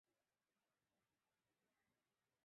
孔达有子得闾叔榖仍为大夫。